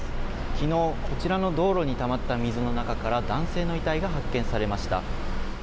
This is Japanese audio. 昨日こちらの道路にたまった水の中から男性の遺体が発見されました。